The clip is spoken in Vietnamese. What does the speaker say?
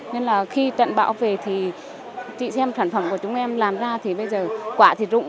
nên là khi trận bão về thì chị xem sản phẩm của chúng em làm ra thì bây giờ quả thì rụng